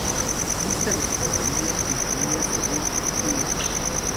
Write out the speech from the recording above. Lista de superfamilias y familias según Unwin.